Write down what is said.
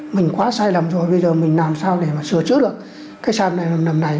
mình quá sai lầm rồi bây giờ mình làm sao để mà sửa chữa được cái trại này nằm này